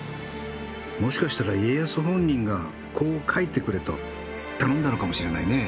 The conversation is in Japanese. もしかしたら家康本人がこう描いてくれと頼んだのかもしれないね。